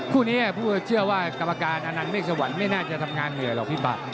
คู่นี้เชื่อว่ากรรมการอนันเมฆสวรรค์ไม่น่าจะทำงานเหนื่อยหรอกพี่บัตร